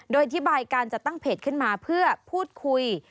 โดยอธิบายการจัดตั้งเพจขึ้นมาเพื่อพูดคุย